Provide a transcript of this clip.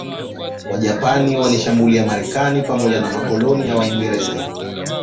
Wajapani waliishambulia Marekani pamoja na makoloni ya Waingereza